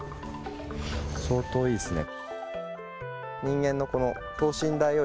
相当いいっすね。